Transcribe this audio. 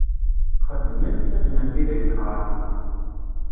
Xeddmen, ttaznen-d idrimen ɣer tmurt.